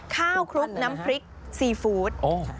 ข้าวครุกน้ำพริกซีฟู้ด